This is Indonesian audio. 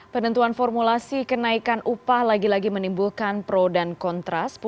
penentuan formulasi kenaikan upah lagi lagi menimbulkan pro dan kontras